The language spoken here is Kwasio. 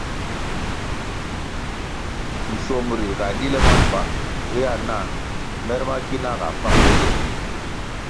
Nschuomri ga di le mapa héa nah mer ma kina ga fáng le ye.